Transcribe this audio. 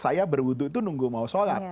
saya berwudhu itu nunggu mau sholat